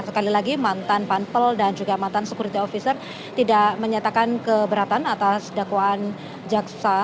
sekali lagi mantan pampel dan juga mantan security officer tidak menyatakan keberatan atas dakwaan jaksa